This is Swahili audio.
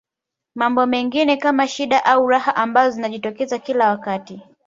Mambo mengine kama shida au raha ambazo zinajitokeza kila wakati